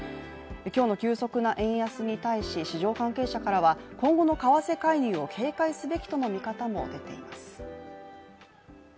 今日の急速な円安に対し、市場関係者からは今後の為替介入を警戒すべきとの見方も出ています。